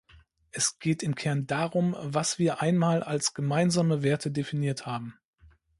Es geht im Kern darum, was wir einmal als gemeinsame Werte definiert haben.